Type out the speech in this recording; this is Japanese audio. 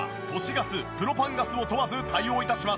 ガスプロパンガスを問わず対応致します。